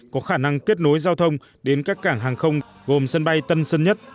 có khả năng kết nối giao thông đến các cảng hàng không gồm sân bay tân sơn nhất